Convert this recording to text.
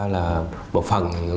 là một phần